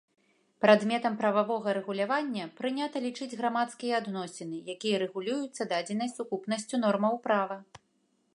Прадметам прававога рэгулявання прынята лічыць грамадскія адносіны, якія рэгулююцца дадзенай сукупнасцю нормаў права.